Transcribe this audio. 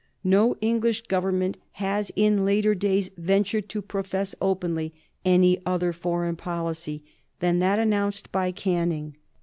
No English Government has, in later days, ventured to profess openly any other foreign policy than that announced by Canning.